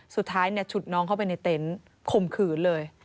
สุดท้ายฉุดน้องเข้าไปในเต็นต์ข่มขืนเลย